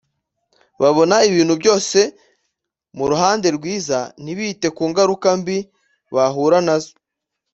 babona ibintu byose mu ruhande rwiza ntibite ku ngaruka mbi bahura nazo